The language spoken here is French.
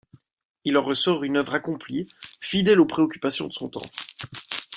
Il en ressort une œuvre accomplie, fidèle aux préoccupations de son temps.